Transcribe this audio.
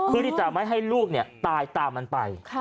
คือที่จะไม่ให้ลูกเนี่ยตายตามมันไป